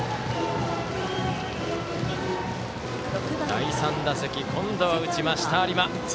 第３打席今度は打ちました、有馬。